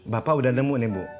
bapak udah nemu nih bu